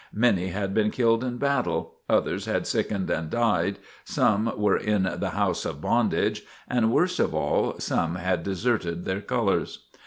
Many had been killed in battle, others had sickened and died, some were "in the house of bondage," and, worst of all, some had deserted their colors.